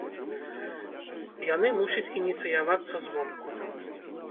Яны мусяць ініцыявацца звонку.